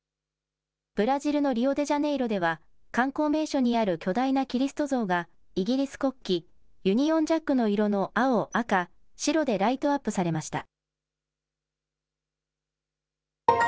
ブラジルのリオデジャネイロでは、観光名所にある巨大なキリスト像がイギリス国旗・ユニオンジャックの色の青、赤、白でライトアップされました。